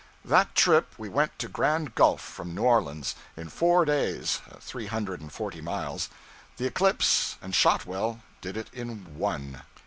That trip we went to Grand Gulf, from New Orleans, in four days (three hundred and forty miles); the 'Eclipse' and 'Shotwell' did it in one.